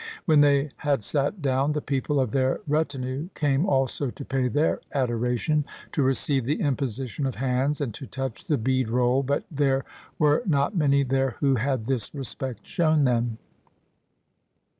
When they had sat down, the people of their retinue came also to pay their adoration, to receive the imposition of hands, and to touch the bead roll ; but there were not many there who had this respect shown them.